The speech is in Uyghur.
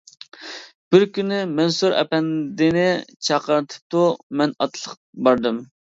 بىر كۈنى مەنسۇر ئەپەندىنى چاقىرتىپتۇ، مەن ئاتلىق باردىم.